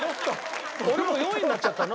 俺もう４位になっちゃったの？